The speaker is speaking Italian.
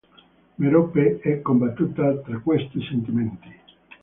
Merope è combattuta tra questi sentimenti.